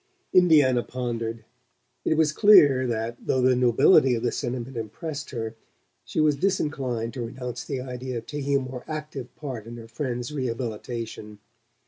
Indiana pondered: it was clear that, though the nobility of the sentiment impressed her, she was disinclined to renounce the idea of taking a more active part in her friend's rehabilitation.